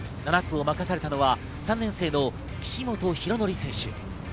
７区を任されたのは３年生の岸本大紀選手。